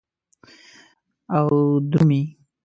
او درومې